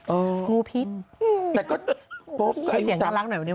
เออทุกคนผิด